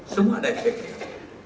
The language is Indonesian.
semua ada efeknya